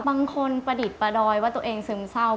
ประดิษฐ์ประดอยว่าตัวเองซึมเศร้า